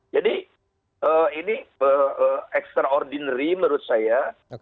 jadi ini extraordinary menurut saya